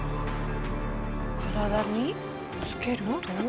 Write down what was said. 体につけると。